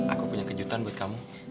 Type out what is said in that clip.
aku punya kejutan buat kamu